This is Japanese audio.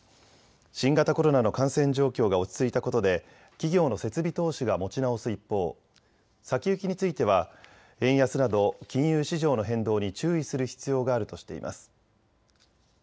新型コロナの感染状況が落ち着いたことで企業の設備投資が持ち直す一方、先行きについては円安など金融市場の変動に注意する必要があるとしています。